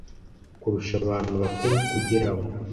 kurusha abantu bakuru kugira ngo